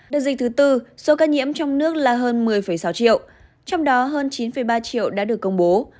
đợt dịch thứ tư số ca nhiễm trong nước là hơn một mươi sáu triệu trong đó hơn chín ba triệu đã được công bố